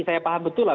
saya paham betul lah